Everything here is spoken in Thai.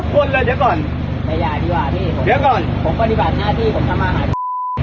กูต้องบอกมึงเหรอว่ามันธุระอะไรอ่ะ